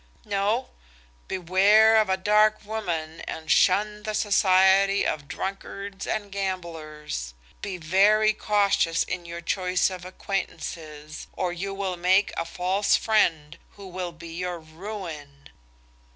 "No. Beware of a dark woman and shun the society of drunkards and gamblers. Be very cautious in your choice of acquaintances, or you will make a false friend who will be your ruin.